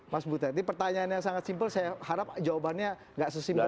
mas butet ini pertanyaan yang sangat simpel saya harap jawabannya nggak sesimpel